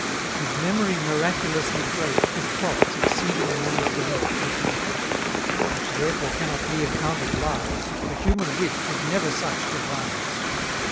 His memory miraculously great, 650 Could plots, exceeding man's belief, repeat; Which therefore cannot be accounted lies, For human wit could never such devise.